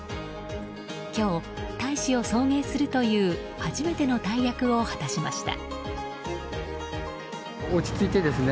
今日、大使を送迎するという初めての大役を果たしました。